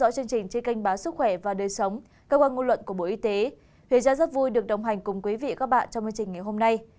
các quan ngôn luận của bộ y tế huyện gia rất vui được đồng hành cùng quý vị các bạn trong bài trình ngày hôm nay